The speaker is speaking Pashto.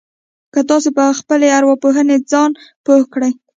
که تاسې په خپلې ارواپوهنې ځان پوه کړئ.